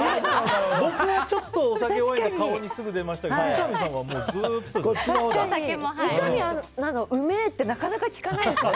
僕はちょっとお酒弱いので顔に出ましたけど三上アナのうめーってなかなか聞かないですもんね。